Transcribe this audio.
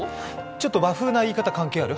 ちょっと和風な言い方、関係ある？